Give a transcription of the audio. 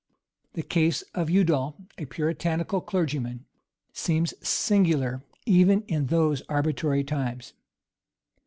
The case of Udal, a Puritanical clergyman, seems singular even in those arbitrary times.